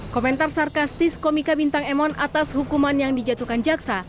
komentar sarkastis komika bintang emon atas hukuman yang dijatuhkan jaksa